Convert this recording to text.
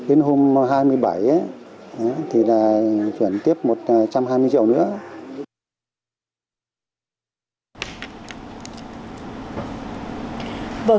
đến hôm hai mươi bảy thì là chuyển tiếp một trăm hai mươi triệu nữa